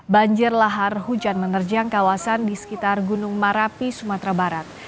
banjir lahar hujan menerjang kawasan di sekitar gunung marapi sumatera barat